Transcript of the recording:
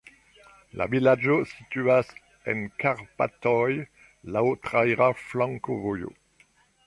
La vilaĝo situas en Karpatoj, laŭ traira flankovojo.